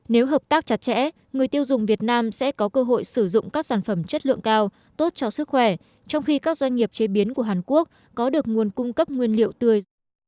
nếu hợp tác chặt chẽ người tiêu dùng việt nam sẽ có cơ hội sử dụng các sản phẩm chất lượng cao tốt cho sức khỏe trong khi các doanh nghiệp chế biến của hàn quốc có được nguồn cung cấp nguyên liệu tươi